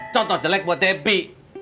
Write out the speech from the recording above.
contoh jelek buat debi